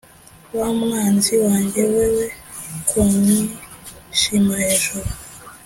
wa mwanzi wanjye we we kunyishima hejuru